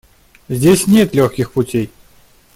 Здесь нет легких путей.